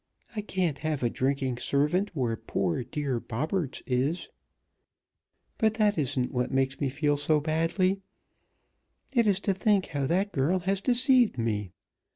"I can't have a drinking servant where poor, dear Bobberts is. But that isn't what makes me feel so badly. It is to think how that girl has deceived me.